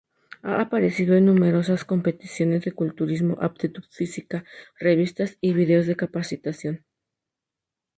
Ha aparecido en numerosas competiciones de culturismo, aptitud física, revistas y vídeos de capacitación.